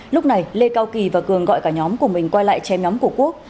lúc này lê cao kỳ và cường gọi cả nhóm của mình quay lại chém nhóm của quốc